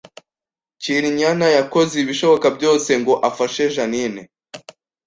Cyrinyana yakoze ibishoboka byose ngo afashe Jeaninne